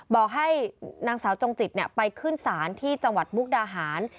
บอกให้นางสาวจงจิตไปขึ้นศาลที่จังหวัดมุกดาหาร